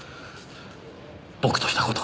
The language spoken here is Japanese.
僕とした事が。